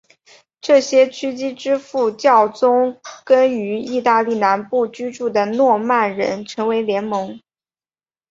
这些枢机支持教宗跟于意大利南部居住的诺曼人成为联盟。